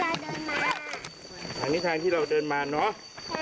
เราเดินมาอันนี้ทางที่เราเดินมาเนาะ